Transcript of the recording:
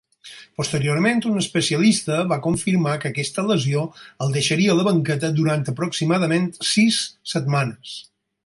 Posteriorment un especialista va confirmar que aquesta lesió el deixaria a la banqueta durant aproximadament sis setmanes.